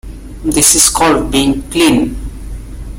This is called being "clean".